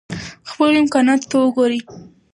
خپلو امکاناتو ته وګورئ.